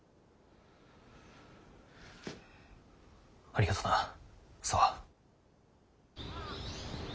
ありがとな沙和。